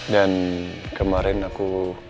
dan kemarin aku